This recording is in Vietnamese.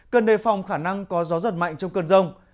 cân đề phòng khả năng có gió giật mạnh trong cân rông